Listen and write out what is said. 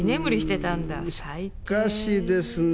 しかしですね